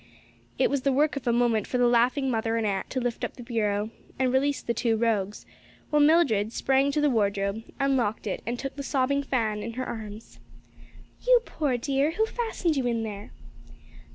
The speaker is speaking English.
It was the work of a moment for the laughing mother and aunt to lift up the bureau and release the two rogues, while Mildred sprang to the wardrobe, unlocked it and took the sobbing Fan in her arms. "You poor dear, who fastened you in there?"